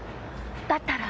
だったら！